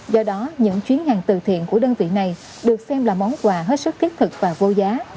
do đó những chuyến hàng từ thiện của đơn vị này được xem là món quà hết sức thiết thực và vô giá